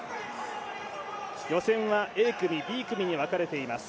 予選はＡ組、Ｂ組に分かれています。